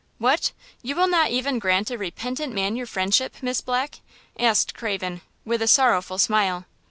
"What! you will not even grant a repentant man your friendship, Miss Black?" asked Craven, with a sorrowful smile.